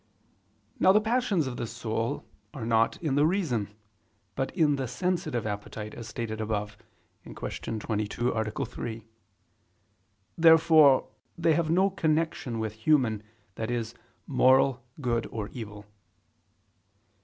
Now the passions of the soul are not in the reason, but in the sensitive appetite, as stated above (Q. 22, A. 3). Therefore they have no connection with human, i.e. moral, good or evil.